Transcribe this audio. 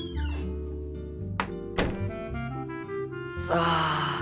ああ。